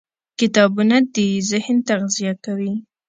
کتابونه د ذهن تغذیه کوي.